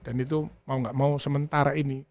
dan itu mau enggak mau sementara ini